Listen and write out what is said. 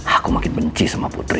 aku makin benci sama putri